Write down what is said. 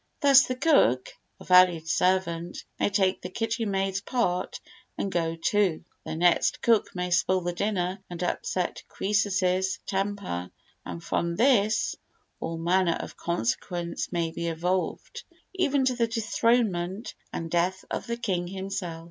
Thus the cook, a valued servant, may take the kitchen maid's part and go too. The next cook may spoil the dinner and upset Croesus's temper, and from this all manner of consequences may be evolved, even to the dethronement and death of the king himself.